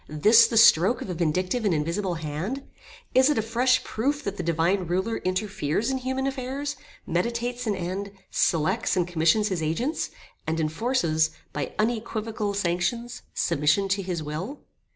this the stroke of a vindictive and invisible hand? Is it a fresh proof that the Divine Ruler interferes in human affairs, meditates an end, selects, and commissions his agents, and enforces, by unequivocal sanctions, submission to his will?